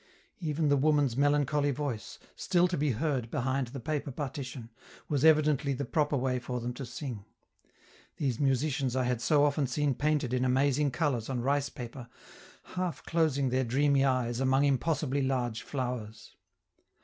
Even the woman's melancholy voice, still to be heard behind the paper partition, was evidently the proper way for them to sing these musicians I had so often seen painted in amazing colors on rice paper, half closing their dreamy eyes among impossibly large flowers.